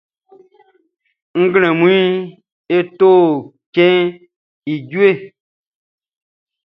Nglɛmunʼn, e to cɛnʼn i jueʼn.